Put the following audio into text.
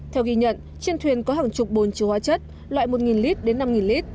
theo ghi nhận trên thuyền có hàng chục bồn chiều hóa chất loại một lit đến năm lit